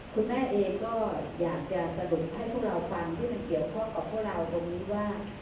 คุณแม่เองก็อยากจะสรุปให้พวกเราฟังที่มันเกี่ยวข้องกับพวกเราตรงนี้ว่า